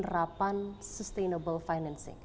penerapan penerapan penerapan penerbangan